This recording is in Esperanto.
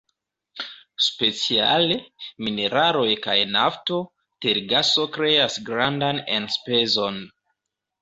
Speciale, mineraloj kaj nafto, tergaso kreas grandan enspezon.